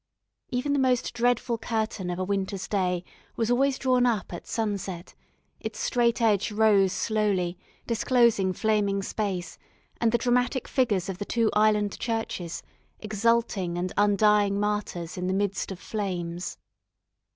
Even the most dreadful curtain of a winter's day was always drawn up at sunset; its straight edge rose slowly, disclosing flaming space, and the dramatic figures of the two island churches, exulting and undying martyrs in the midst of flames.